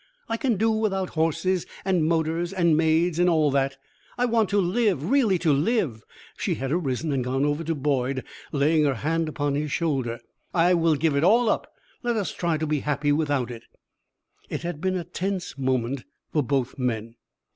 I can do without horses and motors and maids, and all that. I want to live, really to live." She had arisen and gone over to Boyd, laying her hand upon his shoulder. "I will give it all up. Let us try to be happy without it." It had been a tense moment for both men.